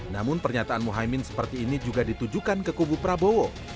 namun pernyataan mohaimin seperti ini juga ditujukan ke kubu prabowo